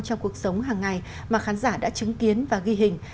trong cuộc sống hàng ngày mà khán giả đã chứng kiến và ghi hình